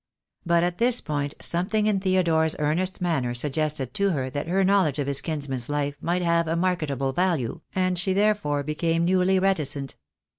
But at this point some thing in Theodore's earnest manner suggested to her that THE DAY WILL COME. 69 her knowledge of his kinsman's life might have a market able value, and she therefore became newly reticent.